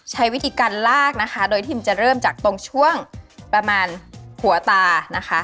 ใช้วิธีการลากนะคะโดยพิมจะเริ่มจากตรงช่วงประมาณหัวตานะคะ